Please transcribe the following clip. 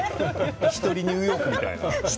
１人ニューヨークみたいな。